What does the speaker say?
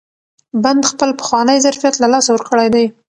بند خپل پخوانی ظرفیت له لاسه ورکړی دی.